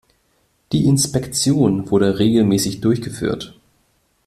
Die Inspektion wurde regelmäßig durchgeführt.